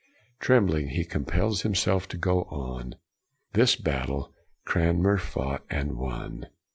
Trembling, he compels himself to go on. This battle, Cranmer fought and won.